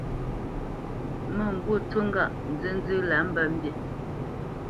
Mə́mbû ncu ŋgâʼ nzənzə́ lǎ mbə mbî.